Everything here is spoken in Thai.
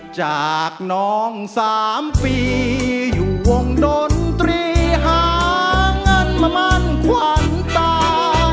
จากน้อง๓ปีอยู่วงดนตรีหาเงินมามั่นขวัญตา